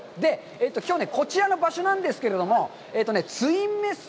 きょう、こちらの場所なんですけれども、ツインメッセ